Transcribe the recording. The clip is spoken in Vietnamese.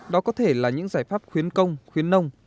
đó có thể là những giải pháp khuyến công khuyến nông